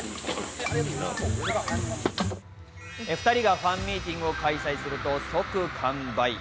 ２人がファンミーティングを開催すると即完売。